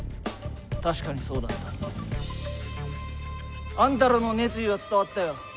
確かにそうだった。あんたらの熱意は伝わったよ。